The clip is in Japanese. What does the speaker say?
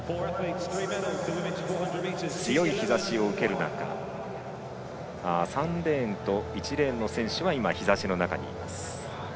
強い日ざしを受ける中３レーンと１レーンの選手が今、日ざしの中にいます。